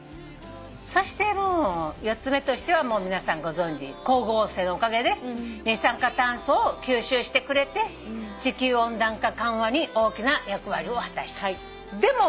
そしてもう４つ目としては皆さんご存じ光合成のおかげで二酸化炭素を吸収してくれて地球温暖化緩和に大きな役割を果たしてる。